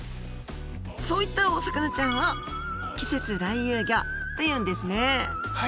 そういったお魚ちゃんを「季節来遊魚」というんですね。